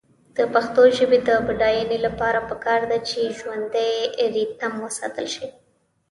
د پښتو ژبې د بډاینې لپاره پکار ده چې ژوندی ریتم وساتل شي.